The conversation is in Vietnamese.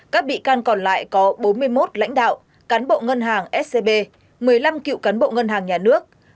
các bị can còn lại có bốn mươi một lãnh đạo cán bộ ngân hàng scb một mươi năm cựu cán bộ ngân hàng nhà nước